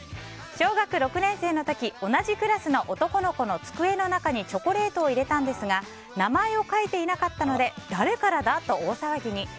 小学６年生の時同じクラスの男の子の机の中にチョコレートを入れたんですが名前を書いていなかったので誰からだ？と大騒ぎに。